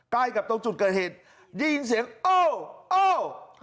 ใกล้กับตรงจุดเกิดเหตุได้ยินเสียงโอ้